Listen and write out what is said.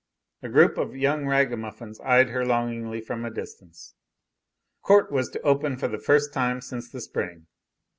A group of young ragamuffins eyed her longingly from a distance. Court was to open for the first time since the spring.